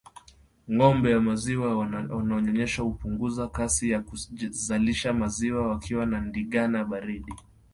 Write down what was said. Ngombe wa maziwa wanaonyonyesha hupunguza kasi ya kuzalisha maziwa wakiwa na ndigana baridi